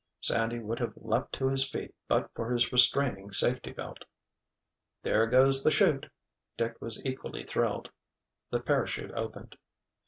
Sandy would have leaped to his feet but for his restraining safety belt. "There goes the 'chute!" Dick was equally thrilled. The parachute opened.